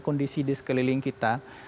kondisi di sekeliling kita